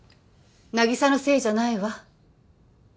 凪沙のせいじゃないわ。